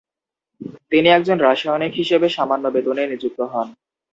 তিনি একজন রাসায়নিক হিসেবে সামান্য বেতনে নিযুক্ত হন ।